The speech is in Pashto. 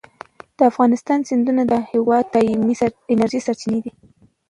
د افغانستان سیندونه د هېواد د دایمي انرژۍ سرچینې دي.